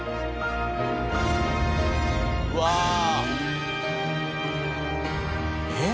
うわあ！えっ？